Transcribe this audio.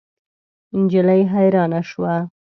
نجلۍ حیرانه شوه.